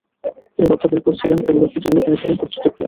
তিনি বদ্ধপরিকর ছিলেন তবে ব্যক্তিজীবনে তিনি ছিলেন কর্তৃত্বপ্রিয়।